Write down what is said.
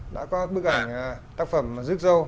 đã có bức ảnh tác phẩm rước dâu